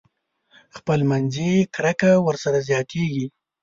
خپل منځي کرکه ورسره زياتېږي.